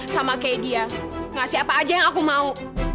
sama kayak dia ngasih apa aja yang aku mau